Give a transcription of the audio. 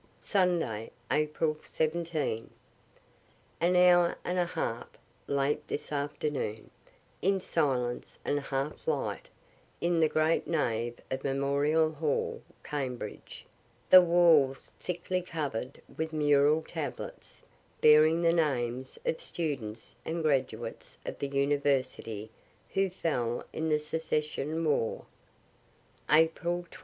Sunday, April 17. An hour and a half, late this afternoon, in silence and half light, in the great nave of Memorial hall, Cambridge, the walls thickly cover'd with mural tablets, bearing the names of students and graduates of the university who fell in the secession war. _April 23.